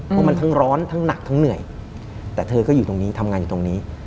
เพราะมันทั้งร้อนทั้งหนักทั้งเหนื่อยแต่เธอก็อยู่ตรงนี้ทำงานอยู่ตรงนี้